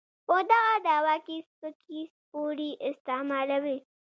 په دغه دعوه کې سپکې سپورې استعمالوي.